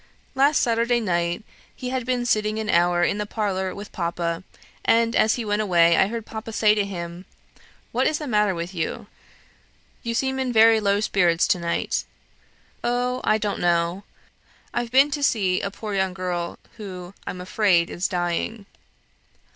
Last Saturday night he had been sitting an hour in the parlour with Papa; and, as he went away, I heard Papa say to him 'What is the matter with you? You seem in very low spirits to night.' 'Oh, I don't know. I've been to see a poor young girl, who, I'm afraid, is dying.'